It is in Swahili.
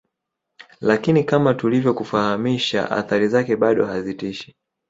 Lakini kama tulivyokufahamisha athari zake bado hazitishi